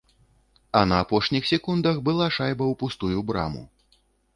А на апошніх секундах была шайба ў пустую браму.